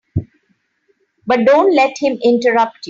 But don't let him interrupt you.